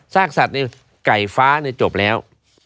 ซากสัตว์นี้ไก่ฟ้าจบแล้ว